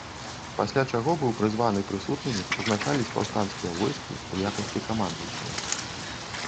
Пасля чаго быў прызваны прысутнымі ўзначаліць паўстанцкія войскі ў якасці камандуючага.